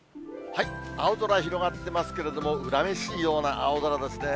青空広がってますけれども、恨めしいような青空ですね。